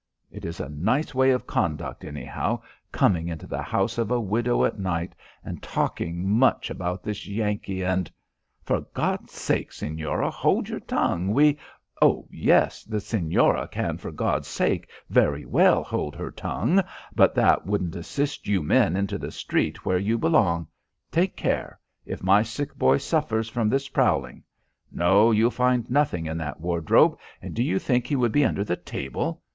It is a nice way of conduct, anyhow coming into the house of a widow at night and talking much about this Yankee and " "For God's sake, señora, hold your tongue. We " "Oh, yes, the señora can for God's sake very well hold her tongue, but that wouldn't assist you men into the street where you belong. Take care: if my sick boy suffers from this prowling! No, you'll find nothing in that wardrobe. And do you think he would be under the table?